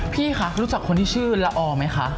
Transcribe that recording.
พี่คะรู้จักคนที่ชื่อละอไหมคะ